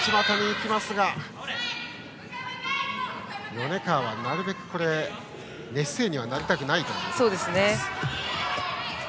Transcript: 米川はなるべく寝姿勢にはなりたくないところ。